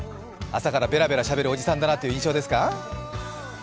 朝からベラベラしゃべるおじさんなだなという印象ですか？